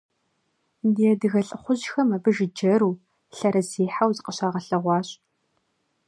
Ди адыгэ лӏыхъужьхэм абы жыджэру, лъэрызехьэу зыкъыщагъэлъэгъуащ.